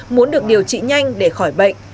muốn được điều trị nhanh để khỏi bệnh